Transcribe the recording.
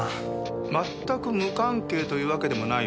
まったく無関係というわけでもないようだよ。